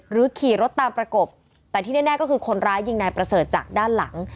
ขี่รถตามประกบแต่ที่แน่ก็คือคนร้ายยิงนายประเสริฐจากด้านหลัง